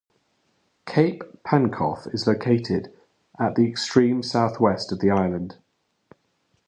Cape Pankof is located at the extreme southwest of the island.